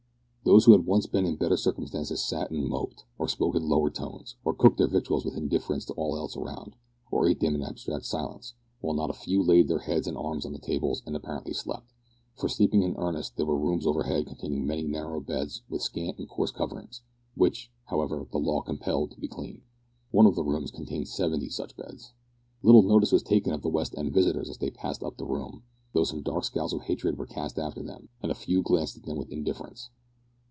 Those who had once been in better circumstances sat and moped, or spoke in lower tones, or cooked their victuals with indifference to all else around, or ate them in abstracted silence; while not a few laid their heads and arms on the tables, and apparently slept. For sleeping in earnest there were rooms overhead containing many narrow beds with scant and coarse covering, which, however, the law compelled to be clean. One of the rooms contained seventy such beds. Little notice was taken of the west end visitors as they passed up the room, though some dark scowls of hatred were cast after them, and a few glanced at them with indifference.